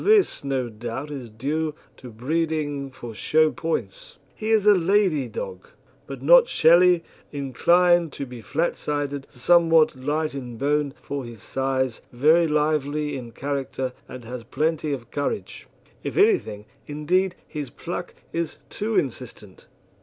This no doubt is due to breeding for show points. He is a lathy dog, but not shelly, inclined to be flatsided, somewhat light in bone for his size, very lively in character, and has plenty of courage. If anything, indeed, his pluck is too insistent.